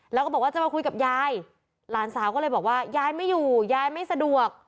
แล้วก็บอกว่าจะมาคุยกับยายหลานสาวก็เลยบอกว่ายายไม่อยู่ยายไม่สะดวก